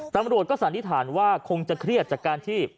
ตำรวจก็สันนิษฐานว่าคงจะเครียดจากการที่